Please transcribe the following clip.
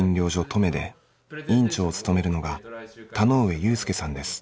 登米で院長を務めるのが田上佑輔さんです。